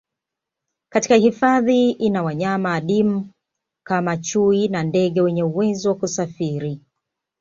Katika hifadhi ina wanyama adimu kama chui na ndege wenye uwezo wa kusafiri